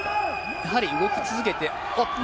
やはり動き続けて。